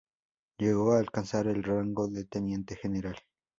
Llegó a alcanzar el rango de teniente general.